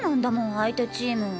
相手チーム。